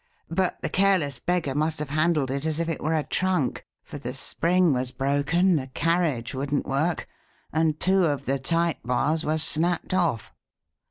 But the careless beggar must have handled it as if it were a trunk, for the spring was broken, the carriage wouldn't work, and two of the type bars were snapped off."